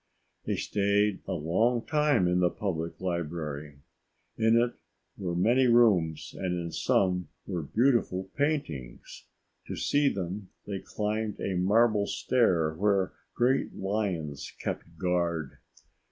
They stayed a long time in the Public Library. In it were many rooms and in some were beautiful paintings. To see them, they climbed a marble stair where great lions kept guard.